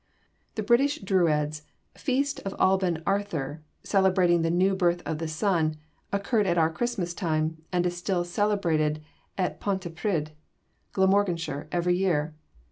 The British Druids' feast of Alban Arthur, celebrating the new birth of the sun, occurred at our Christmas time, and is still celebrated at Pontypridd, Glamorganshire, every year.